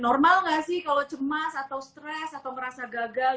normal gak sih kalo cemas atau stress atau ngerasa gagal